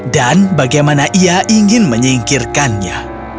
dan bagaimana ia ingin menyingkirkannya